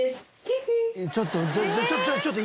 ちょっと。